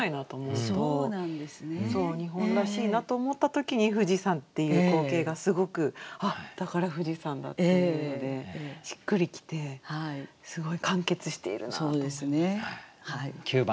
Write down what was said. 日本らしいなと思った時に富士山っていう光景がすごく「あっだから富士山だ」っていうのでしっくり来てすごい完結しているなと思います。